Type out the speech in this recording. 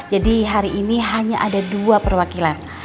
jadi hari ini hanya ada dua perwakilan